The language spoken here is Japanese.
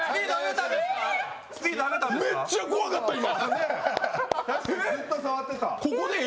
めっちゃ怖かった、今。